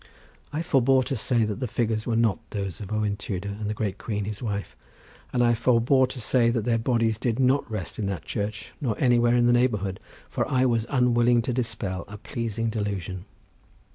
I forbore to say that the figures were not those of Owen Tudor and the great queen, his wife; and I forbore to say that their bodies did not rest in that church, nor anywhere in the neighbourhood, for I was unwilling to dispel a pleasing delusion.